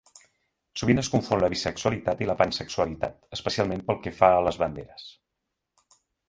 Sovint es confon la bisexualitat i la pansexualitat, especialment pel que fa a les banderes.